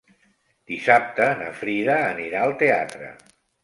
Dissabte na Frida anirà al teatre.